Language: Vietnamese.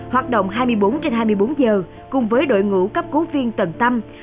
hoạt động hai mươi bốn trên hai mươi bốn giờ cùng với đội ngũ cấp cứu viên tần tâm